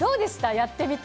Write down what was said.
やってみて。